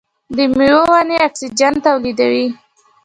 د میوو ونې اکسیجن تولیدوي.